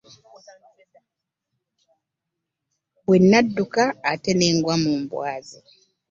Bwe nadduka ate nagwa mu mbwa ze.